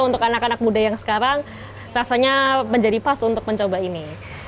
untuk anak anak muda yang sekarang rasanya menjadi pas untuk mencoba ini